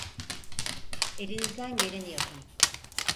Elinizden geleni yapın.